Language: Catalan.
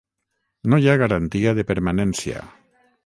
No hi ha garantia de permanència.